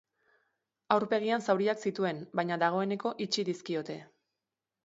Aurpegian zauriak zituen, baina dagoeneko itxi dizkiote.